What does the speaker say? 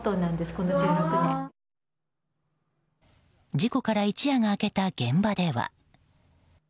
事故から一夜が明けた現場では。